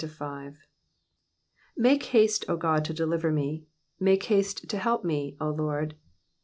1 ^AKE haste, O God, to deliver me ; make haste to help me, O Lord.